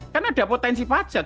kan ada potensi pajak